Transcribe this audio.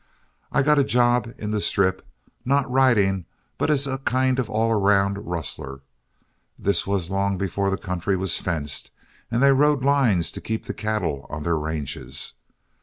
I got a job in the Strip, not riding, but as a kind of an all round rustler. This was long before the country was fenced, and they rode lines to keep the cattle on their ranges.